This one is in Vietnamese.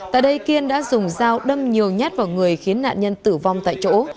tại đây kiên đã dùng dao đâm nhiều nhát vào người khiến nạn nhân tử vong tại chỗ